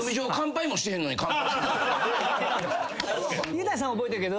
雄大さん覚えてるけど。